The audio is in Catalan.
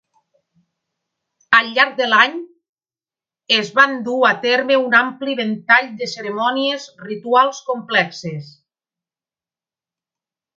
Al llarg de l'any, es van dur a terme un ampli ventall de cerimònies rituals complexes.